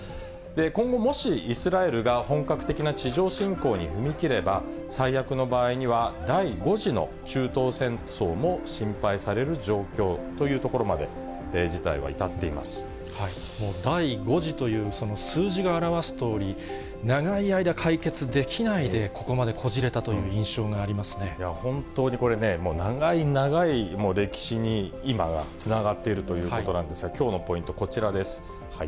今後、もしイスラエルが本格的な地上侵攻に踏み切れば、最悪の場合には第５次の中東戦争も心配される状況というところまもう第５次という、その数字が表すとおり、長い間、解決できないでここまでこじれた本当にこれね、もう長い長い歴史に今がつながっているということなんですが、きょうのポイントこちらです。